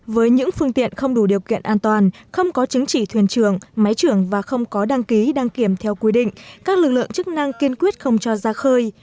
với những phương tiện không đủ điều kiện an toàn không có chứng chỉ thuyền trưởng máy trưởng và không có đăng ký đăng kiểm theo quy định các lực lượng chức năng kiên quyết không cho ra khơi